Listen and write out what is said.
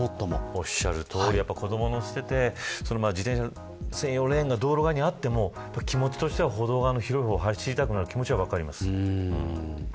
おっしゃるとおり子どもを乗せて自転車専用レーンが道路側にあっても歩道側の広い方を走りたくなるのは気持ち的に分かります。